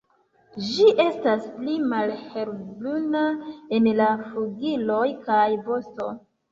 Ĝi estas pli malhelbruna en flugiloj kaj vosto.